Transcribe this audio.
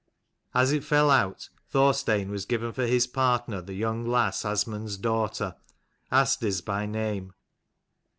As it fell out, Thorstein was given for his partner the young lass Asmund's daughter, Asdis by name.